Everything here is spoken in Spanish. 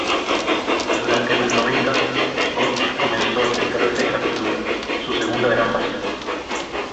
Durante los noventas, Gott comenzó a centrarse en la pintura, su segunda gran pasión.